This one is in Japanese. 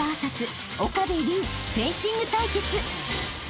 ［フェンシング対決］